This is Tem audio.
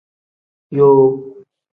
Yoo.